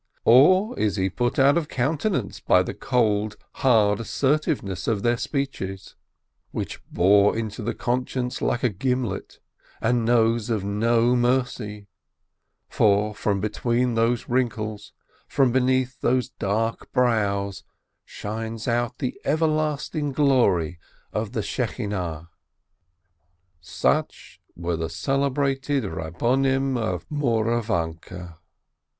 Or is he put out of countenance by the cold, hard assertiveness of their speech, which bores into the conscience like a gimlet, and knows of no mercy ?— for from between those wrinkles, from beneath those dark brows, shines out the everlasting glory of the Shechinah. Such were the celebrated Eabbonim of Mouravanke.